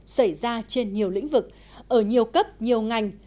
xảy ra trên nhiều lĩnh vực ở nhiều cấp nhiều ngành